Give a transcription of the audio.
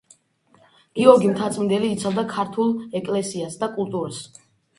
გიორგი მთაწმიდელი იცავდა ქართულ ეკლესიას და კულტურას.